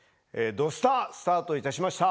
「土スタ」スタートいたしました。